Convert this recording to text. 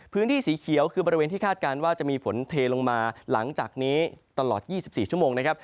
พื้นที่สีเขียวคือบริเวณที่คาดการณ์ว่าจะมีฝนเทลงมาหลังจากนี้ตลอด๒๔ชั่วโมงนะครับ